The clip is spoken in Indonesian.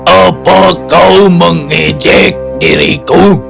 apakah kau mengejek diriku